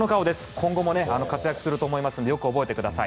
今後も活躍すると思いますのでよく覚えてください。